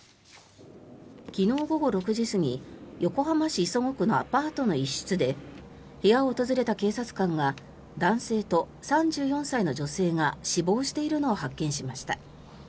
昨日午後６時過ぎ横浜市磯子区のアパートの一室で部屋を訪れた警察官が男性と３４歳の女性が死亡しているのを発見しました。